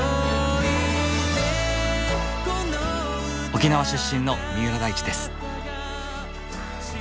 沖縄出身の三浦大知です。